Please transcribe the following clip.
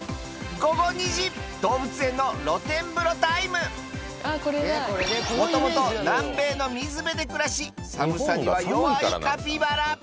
午後２時動物園の露天風呂タイムもともと南米の水辺で暮らし寒さには弱いカピバラ